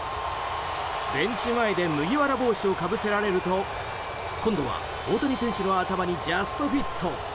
ベンチ前で麦わら帽子をかぶせられると今度は大谷選手の頭にジャストフィット。